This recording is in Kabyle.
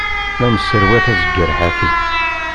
La nesserwat azeggar ḥafi.